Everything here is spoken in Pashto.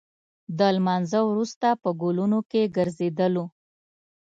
د لمانځه وروسته په ګلونو کې ګرځېدلو.